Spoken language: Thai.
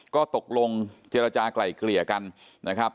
ก็ตกลงเจรจากลายเกลี่ยกันนะครับ